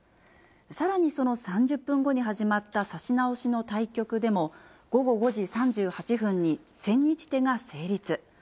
さらにその３０分後に始まった指し直しの対局でも、午後５時３８分に千日手が成立。